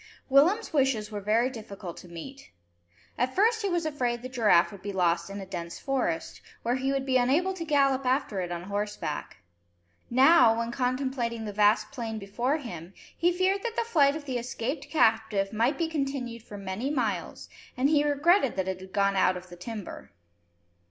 Willem's wishes were very difficult to meet. At first he was afraid the giraffe would be lost in a dense forest, where he would be unable to gallop after it on horseback. Now, when contemplating the vast plain before him, he feared that the flight of the escaped captive might be continued for many miles, and he regretted that it had gone out of the timber.